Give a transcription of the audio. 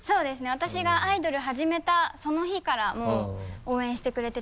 私がアイドル始めたその日からもう応援してくれてて。